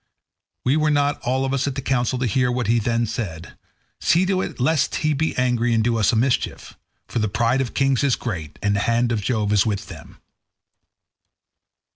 We were not all of us at the council to hear what he then said; see to it lest he be angry and do us a mischief; for the pride of kings is great, and the hand of Jove is with them."